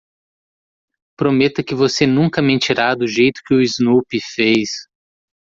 Prometa que você nunca mentirá do jeito que o Snoopy fez.